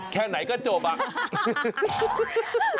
แค่ไหนก็โจมตี